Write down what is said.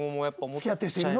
「付き合ってる人いるの？」